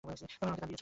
তুমি আমাকে তা দিয়েছ।